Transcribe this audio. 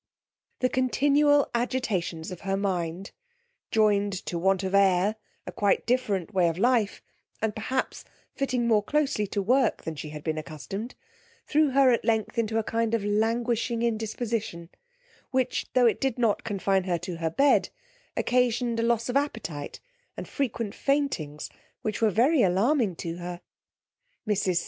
The continual agitations of her mind, joined to want of air, a quite different way of life, and perhaps fitting more closely to work than she had been accustomed, threw her at length into a kind of languishing indisposition, which, tho' it did not confine her to her bed, occasioned a loss of appetite, and frequent faintings, which were very alarming to her. Mrs.